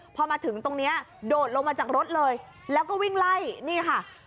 พอมาถึงตรงนี้โดดลงมาจากรถเลยแล้วก็วิ่งไล่นี่ค่ะ